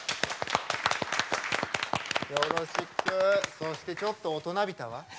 そして、ちょっと大人びたわ。